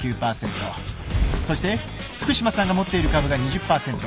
そして福島さんが持っている株が２０％。